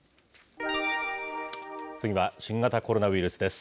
次は新型コロナウイルスです。